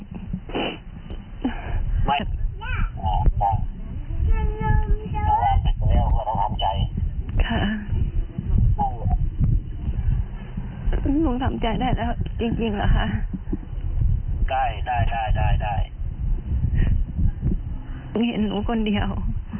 ก็เห็นหนูคนเดียว